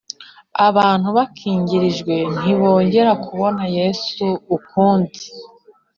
abantu bakingirijwe ntibongere kubona Yesu ukundi